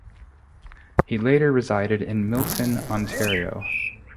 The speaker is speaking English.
He later resided in Milton, Ontario.